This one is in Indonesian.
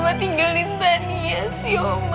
oma kenapa tinggalin tania sih oma